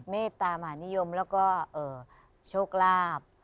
เมตตามหานิยมแล้วก็โชคลาภ